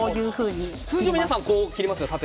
通常は皆さん縦に切りますよね。